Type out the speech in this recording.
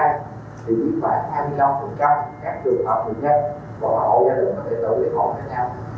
thì viết vào hai mươi năm các trường hợp người nhất và mẫu gia đình và tử viện hội khác nhau